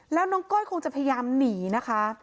แล้วน้องก้อยคงจะพยายามหนีนะคะ